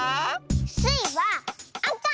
スイはあか！